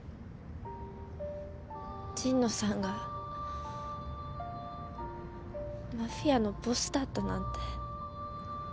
神野さんがマフィアのボスだったなんて。